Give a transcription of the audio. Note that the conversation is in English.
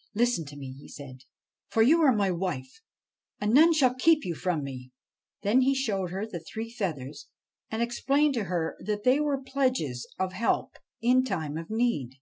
' Listen to me,' he said ;' for you are my wife, and none shall keep you from me.' Then he showed her the three feathers, and explained to her that they were pledges of help in time of need.